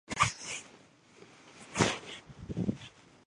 红尾翎为禾本科马唐属下的一个种。